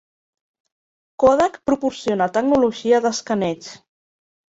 Kodak proporciona tecnologia d'escaneig.